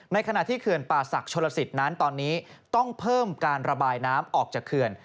ขณะที่เขื่อนป่าศักดิ์ชนลสิตนั้นตอนนี้ต้องเพิ่มการระบายน้ำออกจากเขื่อน